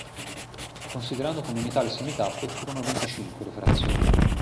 Considerando come unità le semitappe, furono venticinque le frazioni.